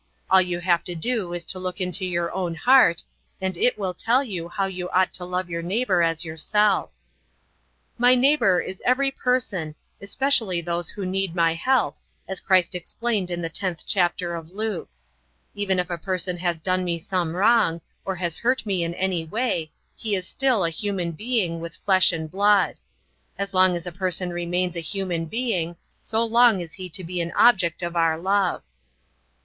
All you have to do is to look into your own heart, and it will tell you how you ought to love your neighbor as yourself. My neighbor is every person, especially those who need my help, as Christ explained in the tenth chapter of Luke. Even if a person has done me some wrong, or has hurt me in any way, he is still a human being with flesh and blood. As long as a person remains a human being, so long is he to be an object of our love.